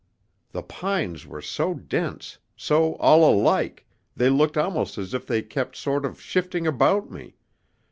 The pines were so dense, so all alike, they looked almost as if they kept sort of shifting about me.